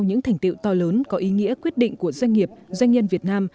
những thành tiệu to lớn có ý nghĩa quyết định của doanh nghiệp doanh nhân việt nam